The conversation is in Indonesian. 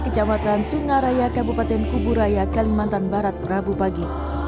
kecamatan sungaraya kabupaten kuburaya kalimantan barat rabu pagi